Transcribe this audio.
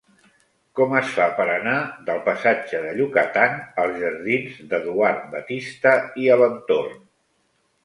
Com es fa per anar del passatge de Yucatán als jardins d'Eduard Batiste i Alentorn?